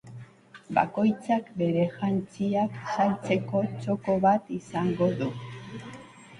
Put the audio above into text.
Bakoitzak, bere jantziak saltzeko txoko bat izango du.